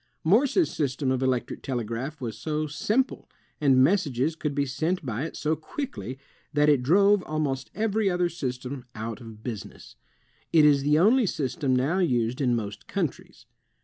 Morse's system of electric telegraph was so simple, and messages could be sent by it so quickly, that it drove almost every other system out of business. It is the only system now used in most countries.